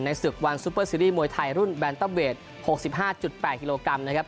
ศึกวันซูเปอร์ซีรีส์มวยไทยรุ่นแบนเตอร์เวท๖๕๘กิโลกรัมนะครับ